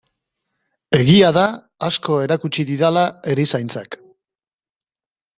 Egia da asko erakutsi didala erizaintzak.